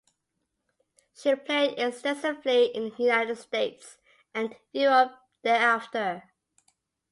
She played extensively in the United States and Europe thereafter.